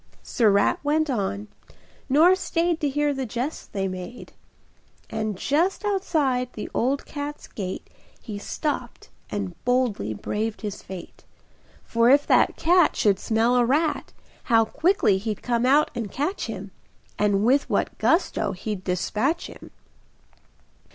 Sir Rat went on, nor stayed To hear the jests they made; And just outside the old cat's gate He stopped and boldly braved his fate, [Pg 37] For if that cat Should smell a rat How quickly he'd come out and catch him, And with what gusto he'd despatch him!